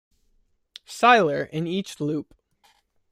Siler in each loop.